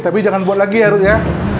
tapi jangan buat lagi ya rut ya